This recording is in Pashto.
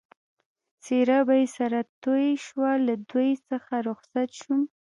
څېره به یې سره توی شوه، له دوی څخه رخصت شوم.